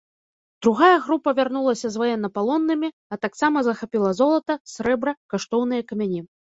Другая група вярнулася з ваеннапалоннымі, а таксама захапіла золата, срэбра, каштоўныя камяні.